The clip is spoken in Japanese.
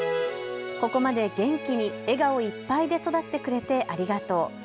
ここまで元気に笑顔いっぱいで育ってくれてありがとう。